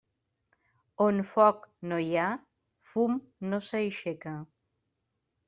On foc no hi ha, fum no s'aixeca.